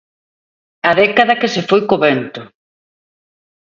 'A década que se foi co vento'.